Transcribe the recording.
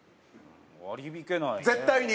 割り引けないね絶対に？